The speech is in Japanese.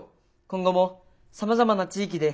今後もさまざまな地域で。